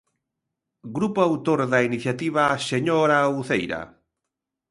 Grupo autor da iniciativa, señora Uceira.